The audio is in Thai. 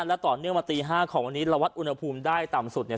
และต่อเนื่องมาตี๕ของวันนี้เราวัดอุณหภูมิได้ต่ำสุดเนี่ย